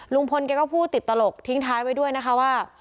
ลุงพลแกก็พูดติดตลกทิ้งท้ายไว้ด้วยนะคะว่า